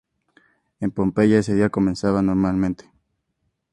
En Pompeya, ese día comenzaba normalmente.